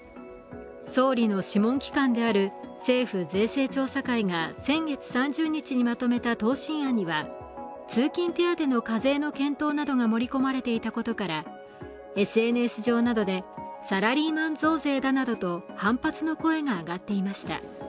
総理の諮問機関である政府税制調査会が先月３０日にまとめた答申案には通勤手当の課税の検討などが盛り込まれていたことからＳＮＳ上などでサラリーマン増税だなどと反発の声が上がっていました。